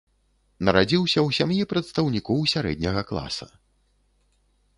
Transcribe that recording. Нарадзіўся ў сям'і прадстаўнікоў сярэдняга класа.